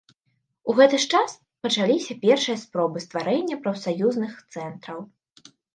У гэты ж час пачаліся першыя спробы стварэння прафсаюзных цэнтраў.